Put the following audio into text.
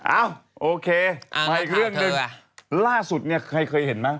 เอ้าโอเคมาอีกเรื่องหนึ่งล่าสุดเนี่ยใครเคยเห็นไหม